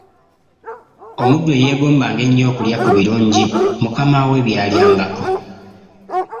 Omuddu eyeegombanga ennyo okulya ku birungi mukama we by’alyangako.